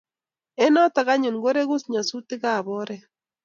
eng notok anyun koregu nyasutik ab oret